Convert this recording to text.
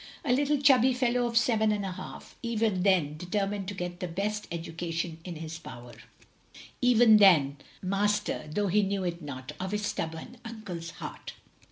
A little chubby fellow of seven and a half; even then determined to get the best education in his power; I90 THE LONELY LADY even then master, though he knew it not, of his stubborn uncle's heart.